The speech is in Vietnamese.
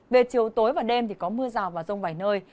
về chiều tối và đêm thì có mưa rào và rông vài nơi